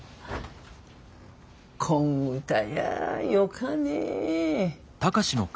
こん歌やよかね。